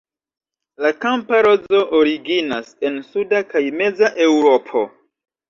La kampa rozo originas en suda kaj meza Eŭropo.